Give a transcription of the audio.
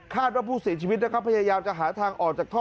ว่าผู้เสียชีวิตนะครับพยายามจะหาทางออกจากท่อ